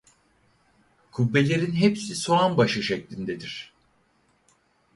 Kubbelerin hepsi soğan başı şeklindedir.